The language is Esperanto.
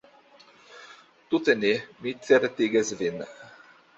Tute ne, mi certigas vin!